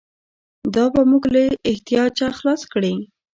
دا به موږ له احتیاجه خلاص کړي.